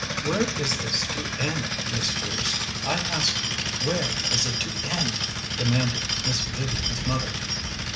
"Where is this to end, Miss Bruce? I ask you, where is it to end?" demanded Miss Vivian's mother.